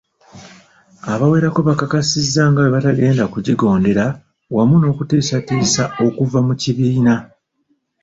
Abawerako bakakasizza nga bwebatagenda kugigondera wamu n'okutiisatiisa okuva mu kibiina.